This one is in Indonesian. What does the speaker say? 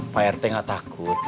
pak rt gak takut